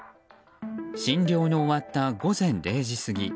診療の終わった午前０時過ぎ